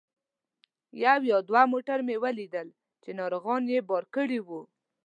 یو یا دوه موټر مې ولیدل چې ناروغان یې بار کړي وو.